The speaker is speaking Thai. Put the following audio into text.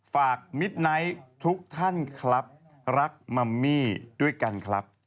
ฝากมิดไนท์ทุกท่านครับรักมัมมี่ด้วยกันครับ